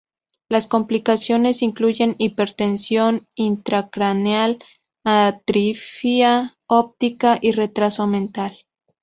Las complicaciones incluyen hipertensión intracraneal, atrofia óptica y retraso mental.